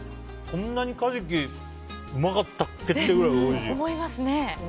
こんなにカジキうまかったっけってくらいおいしい。